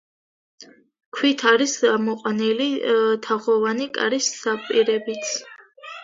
ქვით არის ამოყვანილი თაღოვანი კარის საპირეებიც.